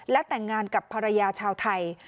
และแต่งงานกับภรรยาชาวไทย